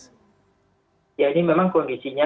ya ini memang kondisinya